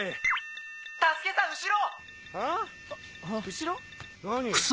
後ろ？何？